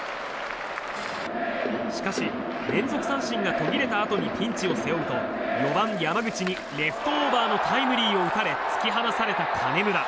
しかし、連続三振が途切れたあとにピンチを背負うと４番、山口にレフトオーバーのタイムリーを打たれ突き放された金村。